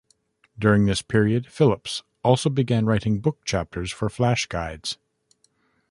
During this period, Phillips also began writing book chapters for flash guides.